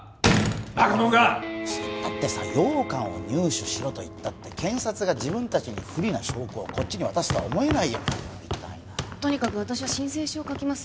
バカもんが！だってさ羊羹を入手しろといっても検察が自分達に不利な証拠をこっちに渡すとは思えないよとにかく私は申請書を書きます